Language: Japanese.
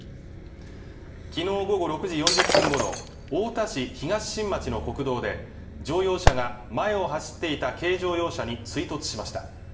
昨日午後６時４０分ごろ太田市東新町の国道で乗用車が前を走っていた軽乗用車に追突しました